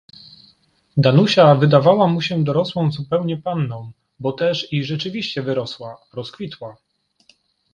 "Danusia wydawała mu się dorosłą zupełnie panną, bo też i rzeczywiście wyrosła, rozkwitła."